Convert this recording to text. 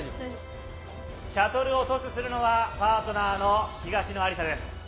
シャトルをトスするのはパートナーの東野有紗です。